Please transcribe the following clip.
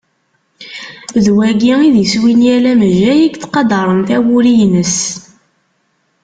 D wagi i d iswi n yal amejjay i yettqadaren tawuri-ines.